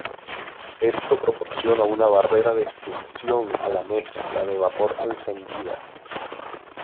Esto proporciona una barrera de extinción a la mezcla de vapor encendida.